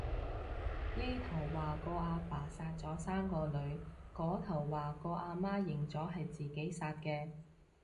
呢頭話個阿爸殺咗三個女，嗰頭話個阿媽認咗係自己殺嘅